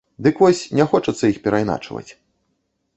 Дык вось, не хочацца іх перайначваць.